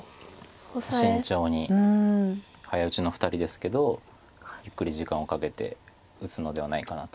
慎重に早打ちの２人ですけどゆっくり時間をかけて打つのではないかなと。